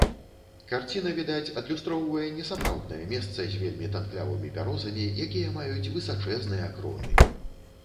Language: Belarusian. Карціна, відаць, адлюстроўвае не сапраўднае месца з вельмі танклявымі бярозамі, якія маюць высачэзныя кроны.